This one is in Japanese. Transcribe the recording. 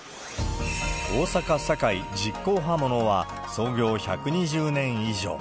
大阪・堺、實光刃物は、創業１２０年以上。